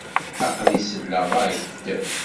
Aql-i selleɣ-ak-d.